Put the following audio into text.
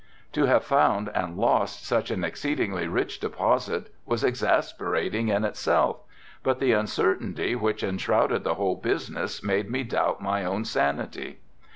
To have found and lost such an exceedingly rich deposit was exasperating in itself but the uncertainty which enshrouded the whole business made me doubt my own sanity.